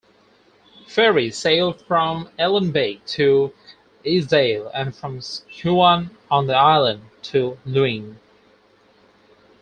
Ferries sail from Ellenabeich to Easdale, and from Cuan on the island to Luing.